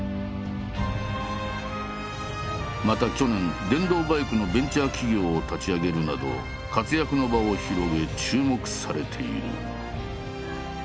また去年電動バイクのベンチャー企業を立ち上げるなど活躍の場を広げ注目されている。